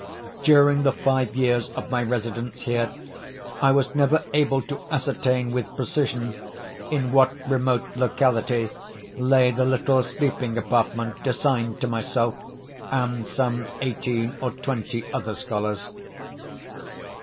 During the five years of my residence here, I was never able to ascertain with precision, in what remote locality lay the little sleeping apartment assigned to myself and some eighteen or twenty other scholars.